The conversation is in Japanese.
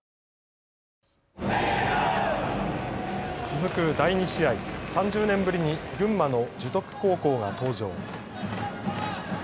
続く第２試合、３０年ぶりに群馬の樹徳高校が登場。